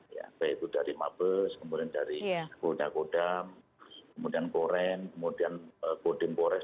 yaitu dari mabes kemudian dari kodak kodam kemudian koren kemudian kodeng pores